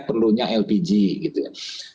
seberapa banyak yang diperlukan untuk membuat lpg